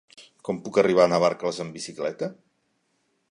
Com puc arribar a Navarcles amb bicicleta?